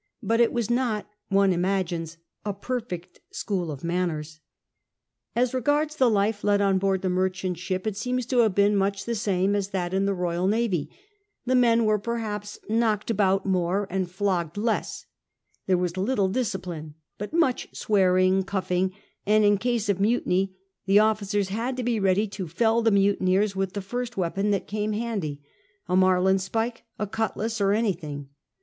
But it was not, one imagines, a periect school of manners. As regards the life led on board the merchant ship, it seems to have been much the same as that in the Boyal Navy ; the men were perhaps knocked about more and flogged less; there was little discipline, but much swearing, cu^ng, and, in case of mutiny, the officers had to be ready to fell the mutineers with the first weapon thatcame handy — a marline spike, a cutlass, or anything.